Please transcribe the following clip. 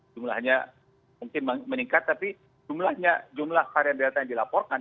jumlahnya mungkin meningkat tapi jumlahnya jumlah varian delta yang dilaporkan